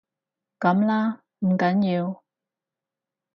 噉啦，唔緊要